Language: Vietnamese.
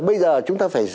bây giờ chúng ta phải